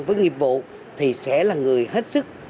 với nghiệp vụ thì sẽ là người hết sức